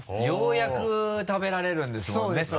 ようやく食べられるんですもんね